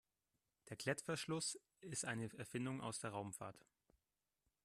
Der Klettverschluss ist eine Erfindung aus der Raumfahrt.